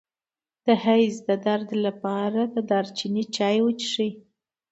د حیض د درد لپاره د دارچینی چای وڅښئ